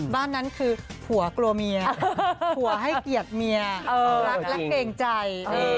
บ้านนั้นคือผัวกลัวเมียผัวให้เกียรติเมียรักและเกรงใจ